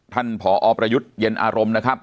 ท่านผอปรยุฑเย็นอารมณ์นะครับ